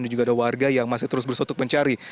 dan juga ada warga yang masih terus bersotok mencari